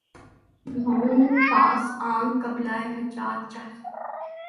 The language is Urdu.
بھَوں پاس آنکھ قبلۂِ حاجات چاہیے